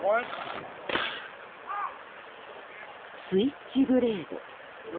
スイッチブレード。